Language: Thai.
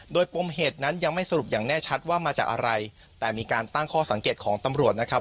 โดยปมเหตุนั้นยังไม่สรุปอย่างแน่ชัดว่ามาจากอะไรแต่มีการตั้งข้อสังเกตของตำรวจนะครับ